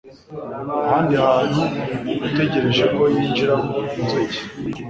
Ahandi hantu utegereje ko yinjiramo inzuki.